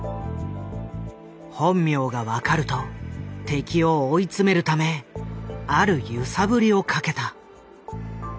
本名が分かると敵を追い詰めるためある揺さぶりをかけた。